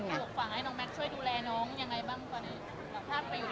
วกฝากให้น้องแม็กซ์ช่วยดูแลน้องยังไงบ้างตอนนี้